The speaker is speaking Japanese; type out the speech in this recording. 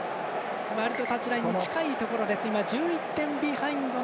割と、タッチラインに近いところです。